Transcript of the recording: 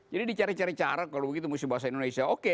jadi dicari cari cara kalau begitu musim bahasa indonesia oke